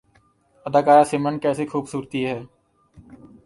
اداکارہ سمرن کیسی خوبصورتی ہے